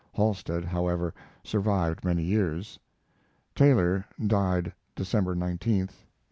Halstead, however, survived many years. Taylor died December 19, 1878. CXVII.